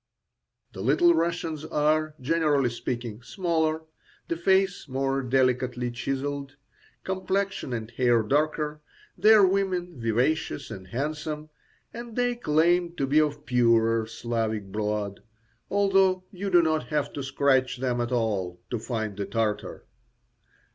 The Little Russians are, generally speaking, smaller, the face more delicately chiselled, complexion and hair darker, their women vivacious and handsome, and they claim to be of purer Slavic blood, although you do not have to scratch them at all to find the Tartar.